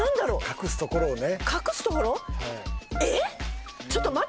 隠すところをね。